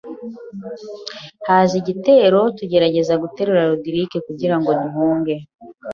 haza igitero tugerageza guterura Rodrigue kugira ngo duhunge